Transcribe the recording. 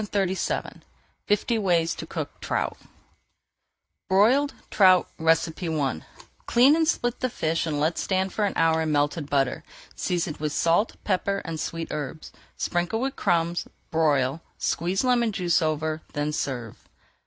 [Page 411] FIFTY WAYS TO COOK TROUT BROILED TROUT I Clean and split the fish and let stand for an hour in melted butter, seasoned with salt, pepper, and sweet herbs. Sprinkle with crumbs, broil, squeeze lemon juice over, then serve.